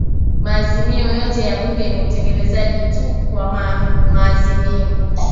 Maazimio yote ya bunge ni utekelezaji tu wa maazimio